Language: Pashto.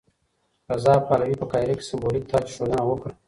رضا پهلوي په قاهره کې سمبولیک تاجاېښودنه وکړه.